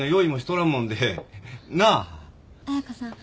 彩佳さん